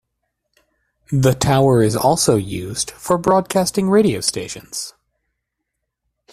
The tower is also used for broadcasting radio stations.